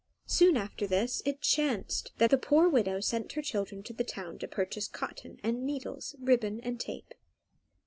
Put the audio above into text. Soon after this it chanced that the poor widow sent her children to the town to purchase cotton, needles, ribbon and tape.